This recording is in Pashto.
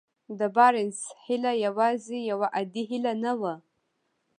د بارنس هيله يوازې يوه عادي هيله نه وه.